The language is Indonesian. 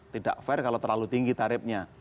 tidak fair kalau terlalu tinggi tarifnya